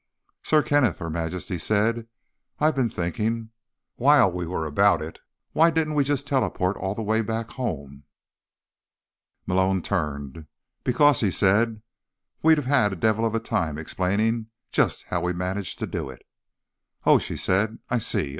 "Sir Kenneth," Her Majesty said. "I've been thinking: while we were about it, why didn't we just teleport all the way back home?" Malone turned. "Because," he said, "we'd have had the devil of a time explaining just how we managed to do it." "Oh," she said. "I see.